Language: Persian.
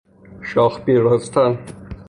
شاخ پیراستن